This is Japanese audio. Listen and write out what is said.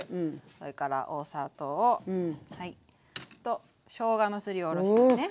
それからお砂糖。としょうがのすりおろしですね。